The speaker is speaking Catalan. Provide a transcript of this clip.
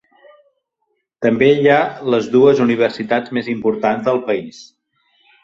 També hi ha les dues universitats més importants del país.